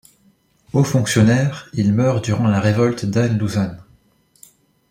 Haut fonctionnaire, il meurt durant la révolte d'An Lushan.